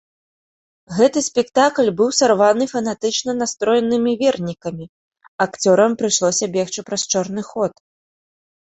Гэты спектакль быў сарваны фанатычна настроенымі вернікамі, акцёрам прыйшлося бегчы праз чорны ход.